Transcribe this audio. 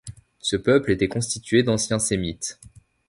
Ce peuple était constitué d’anciens sémites.